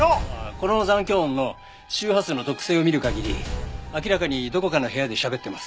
この残響音の周波数の特性を見る限り明らかにどこかの部屋でしゃべってます。